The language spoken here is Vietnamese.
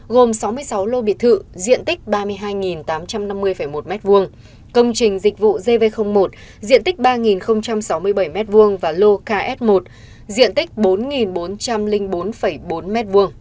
gồm sáu mươi sáu lô biệt thự diện tích ba mươi hai tám trăm năm mươi một m hai công trình dịch vụ gv một diện tích ba sáu mươi bảy m hai và lô ks một diện tích bốn bốn trăm linh bốn bốn m hai